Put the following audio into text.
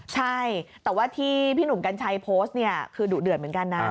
ใช่แต่ว่าที่พี่หนุ่มกัญชัยโพสต์เนี่ยคือดุเดือดเหมือนกันนะ